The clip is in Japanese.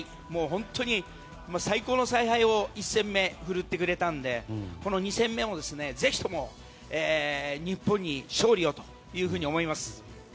本当に最高の采配を１戦目に振るってくれたので２戦目もぜひとも日本に勝利をと思います。